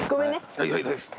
はいはい大丈夫です。